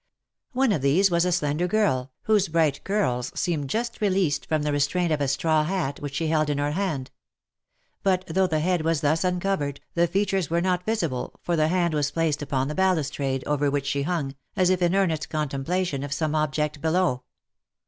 One of these was a slender girl, whose bright curls seemed just released from the restraint of a straw hat which she held in her hand. But though the head was thus uncovered, the features were OF MICHAEL ARMSTRONG. 325 not visible, for the other hand was placed upon the balustrade, over which she hung, as if in earnest contemplation of some object below.